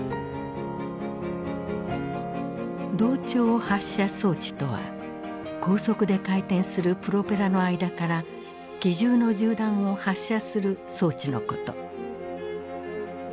同調発射装置とは高速で回転するプロペラの間から機銃の銃弾を発射する装置のこと。